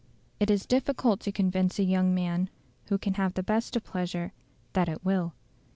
It is difficult to convince a young man, who can have the best of pleasure, that it will.